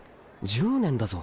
１０年だぞ？